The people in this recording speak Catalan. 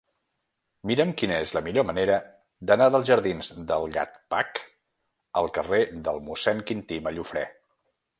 Mira'm quina és la millor manera d'anar dels jardins del Gatcpac al carrer de Mossèn Quintí Mallofrè.